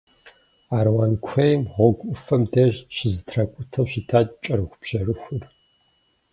Аруан куейм гъуэгу ӏуфэм деж щызэтракӏутэу щытат кӏэрыхубжьэрыхур.